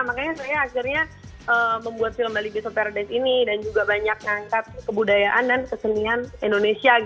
makanya saya akhirnya membuat film balibi superdance ini dan juga banyak mengangkat kebudayaan dan kesenian indonesia